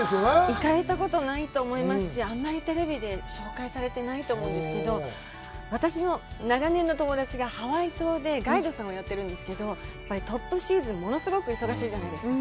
行かれたことないと思いますし、あんまりテレビで紹介されてないと思うんですけど、私の長年の友達がハワイ島でガイドさんをやってるんですけど、トップシーズンは物すごく忙しいじゃないですか。